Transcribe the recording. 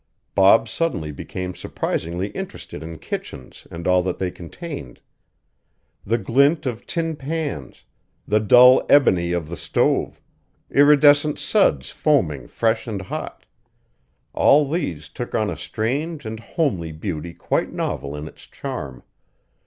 Bob suddenly became surprisingly interested in kitchens and all that they contained. The glint of tin pans, the dull ebony of the stove, iridescent suds foaming fresh and hot, all these took on a strange and homely beauty quite novel in its charm.